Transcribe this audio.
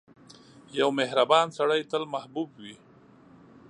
• یو مهربان سړی تل محبوب وي.